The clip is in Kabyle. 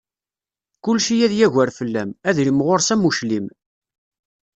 Kulci ad yagar fell-am, adrim ɣur-s am uclim.